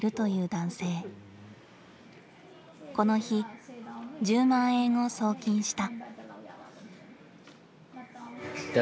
この日１０万円を送金した。